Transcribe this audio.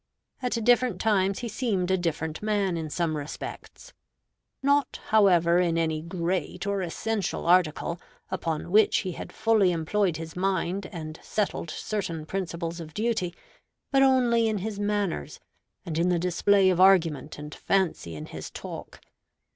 At different times he seemed a different man in some respects; not, however, in any great or essential article, upon which he had fully employed his mind and settled certain principles of duty, but only in his manners, and in the display of argument and fancy in his talk.